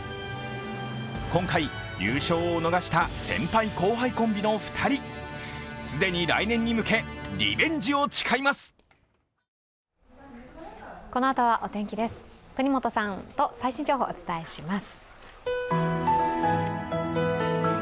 今回、優勝を逃した先輩・後輩コンビの２人、既に来年に向け、リベンジを誓います。